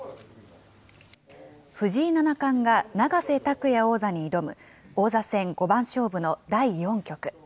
藤井七冠が永瀬拓矢王座に挑む、王座戦五番勝負の第４局。